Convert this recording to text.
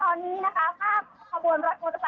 คุณศูนย์ทราตราคุณศูนย์ทรัพย์ค่ะ